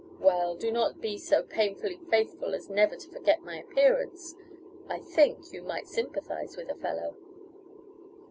Well, do not be so painfully faithful as never to forget my appearance. I think you might sympathize with a fellow."